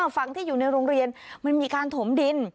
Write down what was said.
ฝั่งที่อยู่ในโรงเรียนมันมีการถมดิน